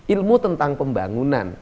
ilmu tentang pembangunan